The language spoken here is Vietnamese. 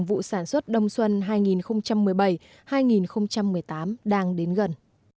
vụ sản xuất đông xuân hai nghìn một mươi bảy hai nghìn một mươi tám đang đến gần